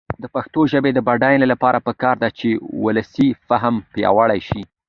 د پښتو ژبې د بډاینې لپاره پکار ده چې ولسي فهم پیاوړی شي.